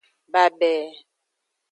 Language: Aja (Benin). Babe.